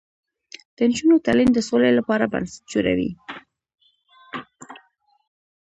د نجونو تعلیم د سولې لپاره بنسټ جوړوي.